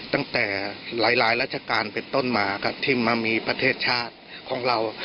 ตั้งแต่หลายราชการเป็นต้นมาครับที่มามีประเทศชาติของเรา